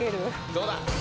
・どうだ？